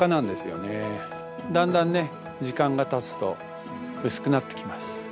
だんだんね時間がたつと薄くなってきます。